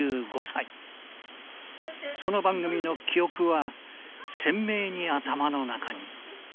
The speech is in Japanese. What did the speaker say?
その番組の記憶は鮮明に頭の中に。